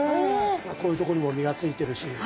こういうとこにも身がついてるし。